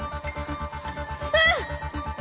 うん！